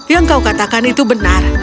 yang kau katakan itu benar